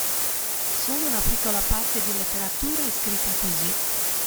Solo una piccola parte di letteratura è scritta così.